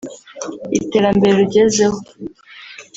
iterambere rugezeho